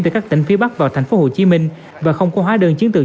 từ các tỉnh phía bắc vào tp hcm và không có hóa đơn chiến tượng